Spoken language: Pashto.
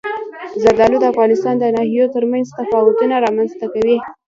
زردالو د افغانستان د ناحیو ترمنځ تفاوتونه رامنځ ته کوي.